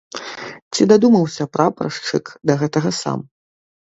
Ці дадумаўся прапаршчык да гэтага сам?